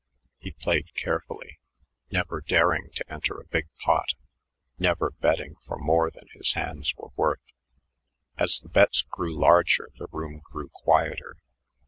He played carefully, never daring to enter a big pot, never betting for more than his hands were worth. As the bets grew larger, the room grew quieter.